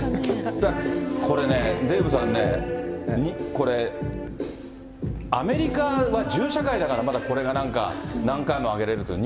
これね、デーブさんね、アメリカは銃社会だからまだこれがなんか、南海も上げれるっていう。